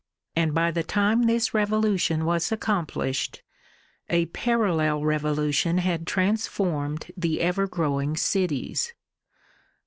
And by the time this revolution was accomplished, a parallel revolution had transformed the ever growing cities.